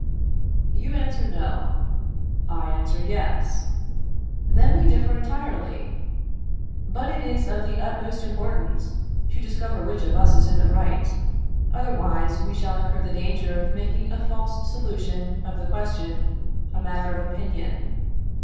You answer, No; I answer, Yes. Then we differ entirely; but it is of the utmost importance to discover which of us is in the right, otherwise we shall incur the danger of making a false solution of the question, a matter of opinion.